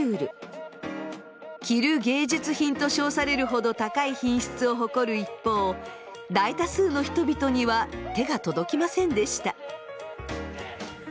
着る芸術品と称されるほど高い品質を誇る一方大多数の人々には手が届きませんでした。